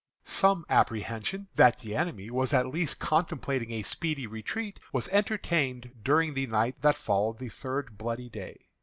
Some apprehension that the enemy was at least contemplating a speedy retreat was entertained during the night that followed the third bloody day.